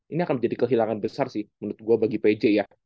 ini akan menjadi kehilangan besar sih menurut gue bagi pj ya